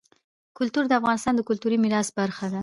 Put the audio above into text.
کلتور د افغانستان د کلتوري میراث برخه ده.